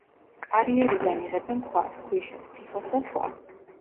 კარიერიდან იღებენ ქვას, ქვიშას, თიხას და სხვა.